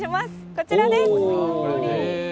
こちらです。